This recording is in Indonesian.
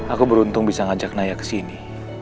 aku beruntung bisa ngajak naya kesini